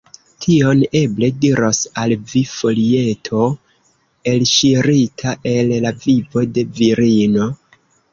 Tion eble diros al vi folieto, elŝirita el la vivo de virino.